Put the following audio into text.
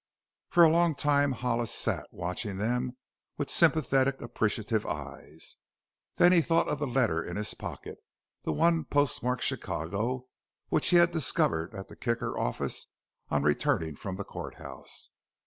For a long time Hollis sat, watching them with sympathetic, appreciative eyes. Then he thought of the letter in his pocket, the one postmarked "Chicago," which he had discovered at the Kicker office on returning from the court house.